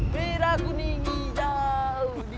perak kuning di daun